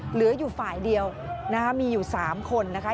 เหลืออยู่ฝ่ายเดียวนะคะมีอยู่๓คนนะคะ